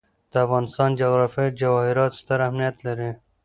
د افغانستان جغرافیه کې جواهرات ستر اهمیت لري.